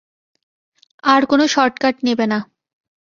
আর কোন শর্টকাট নেবে না।